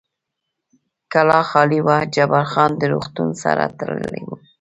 کلا خالي وه، جبار خان د روغتون سره تللی و.